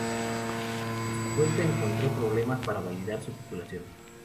A su vuelta encontró problemas para validar su titulación.